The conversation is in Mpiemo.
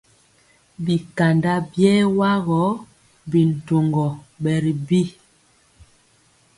Bi kanda biewa gɔ bi ntoŋgɔ bɛ ri bi.